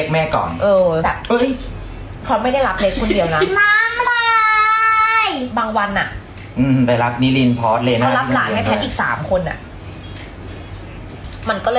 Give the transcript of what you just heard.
ไม่ได้เลยฉันแบบรับไม่ได้แต่ให้เรียกแม่ก่อนเออ